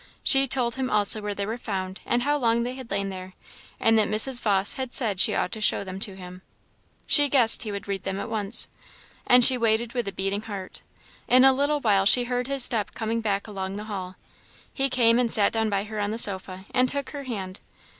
She told him also where they were found and how long they had lain there, and that Mrs. Vawse had said she ought to show them to him. She guessed he would read them at once and she waited with a beating heart. In a little while she heard his step coming back along the hall. He came and sat down by her on the sofa, and took her hand.